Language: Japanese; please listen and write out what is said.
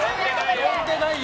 呼んでないよ！